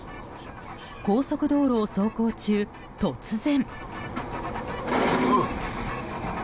高速道路を走行中、突然。